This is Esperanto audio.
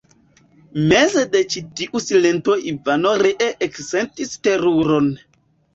Meze de ĉi tiu silento Ivano ree eksentis teruron.